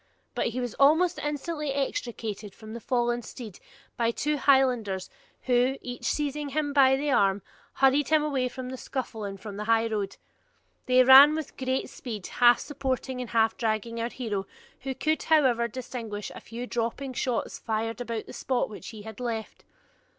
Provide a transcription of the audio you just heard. But he was almost instantly extricated from the fallen steed by two Highlanders, who, each seizing him by the arm, hurried him away from the scuffle and from the highroad. They ran with great speed, half supporting and half dragging our hero, who could, however, distinguish a few dropping shots fired about the spot which he had left.